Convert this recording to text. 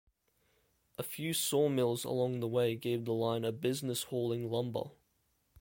A few sawmills along the way gave the line a business hauling lumber.